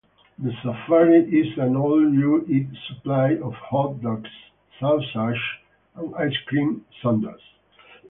The Safari is an all-you-eat supply of hot dogs, sausages, and ice cream sundaes.